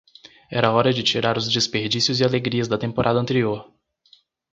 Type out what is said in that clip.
Era hora de tirar os desperdícios e alegrias da temporada anterior.